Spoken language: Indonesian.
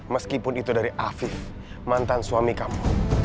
meskipun itu dari afif mantan suami kamu